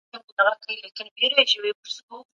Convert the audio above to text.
په سرمایه دارۍ کي ظلم عام دی.